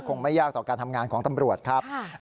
ไม่ยากต่อการทำงานของตำรวจครับ